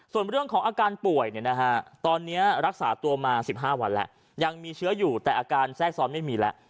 ส่วนเรื่องของอาการป่วยตอนนี้รักษาตัวมา๑๕วันแล้วยังมีเชื้ออยู่แต่อาการแทรกซ้อนไม่มีแล้ว